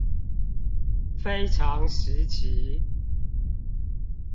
非常時期